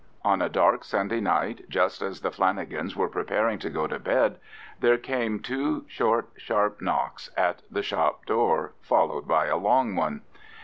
On a dark Sunday night, just as the Flanagans were preparing to go to bed, there came two short sharp knocks at the shop door, followed by a long one.